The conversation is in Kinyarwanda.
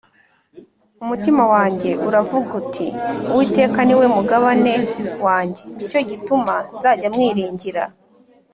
Umutima wanjye uravuga uti“Uwiteka ni we mugabane wanjye, Ni cyo gituma nzajya mwiringira.”